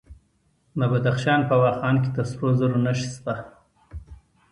د بدخشان په واخان کې د سرو زرو نښې شته.